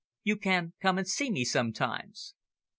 You can come and see me sometimes."